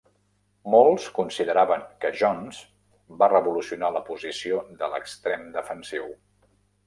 Molts consideraven que Jones va revolucionar la posició de l'extrem defensiu.